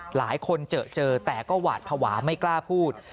หลายคนเจอเจอแต่ก็หวาดภาวะไม่กล้าพูด